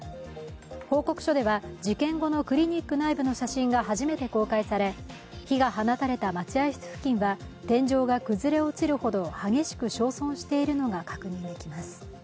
報告書では、事件後のクリニック内部の写真が初めて公開され火が放たれた待合室付近は天井が崩れ落ちるほど激しく焼損しているのが確認できます。